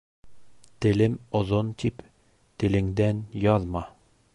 Телем оҙон, тип, телеңдән яҙма.